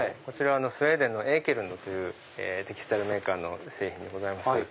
こちらスウェーデンのエーケルンドというテキスタイルメーカーの製品です。